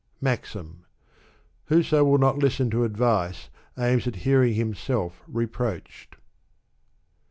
MAxm. Whoso will not listen to advice aims at hearing him self reproached.